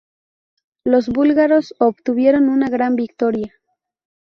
Los búlgaros obtuvieron una gran victoria.